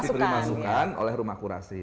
diberi masukkan oleh rumah kurasi